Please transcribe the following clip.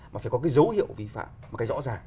mà phải có cái dấu hiệu vi phạm một cách rõ ràng